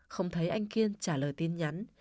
không thấy anh kiên trả lời tin nhắn